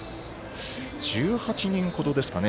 １８人ほどですかね。